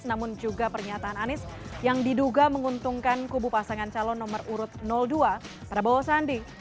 namun juga pernyataan anies yang diduga menguntungkan kubu pasangan calon nomor urut dua prabowo sandi